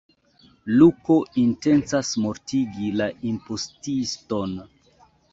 Luko intencas mortigi la impostiston.